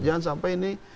jangan sampai ini